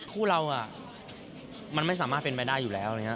กูเรามันไม่สามารถเป็นแม้ได้อยู่แล้ว